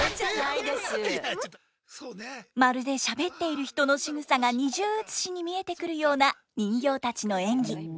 まるでしゃべっている人のしぐさが二重写しに見えてくるような人形たちの演技。